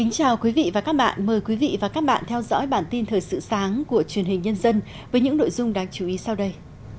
chào mừng quý vị đến với bản tin thời sự sáng của truyền hình nhân dân với những nội dung đáng chú ý sau đây